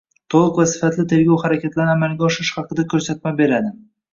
to‘liq va sifatli tergov harakatlarini amalga oshirish haqida ko‘rsatma beradi.